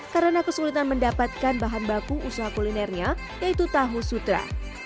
karena kesulitan mendapatkan bahan baku usaha kulinernya yaitu tahu sutra